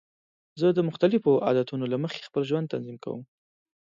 زه د مختلفو عادتونو له مخې خپل ژوند تنظیم کوم.